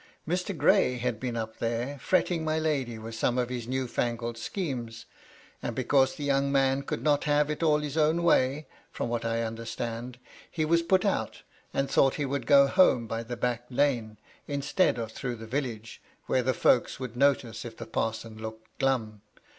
Mr. Gray had been up here fretting my lady with some of his new fangled schemes, MY LADY LUDLOW. 247 and because the young man could not have it all his own way, from what I understand, he was put out, and thought he would go home by the back lane, instead of through the village, where the folks would notice if the parson looked glum.